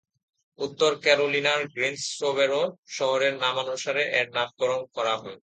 উত্তর ক্যারোলিনার গ্রিনসবোরো শহরের নামানুসারে এর নামকরণ করা হয়।